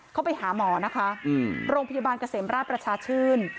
เขาไปหาหมอนะคะโรงพยาบาลเกษมราชประชาชื่น